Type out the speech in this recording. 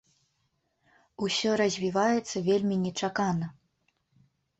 Усё развіваецца вельмі нечакана.